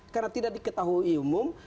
karena tidak diketahui umum